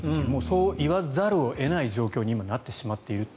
もうそう言わざるを得ない状況に今なってしまっていると。